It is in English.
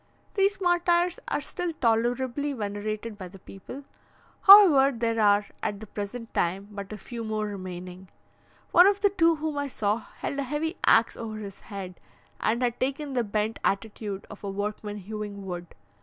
These martyrs are still tolerably venerated by the people; however, there are at the present time but a few more remaining. One of the two whom I saw, held a heavy axe over his head, and had taken the bent attitude of a workman hewing wood.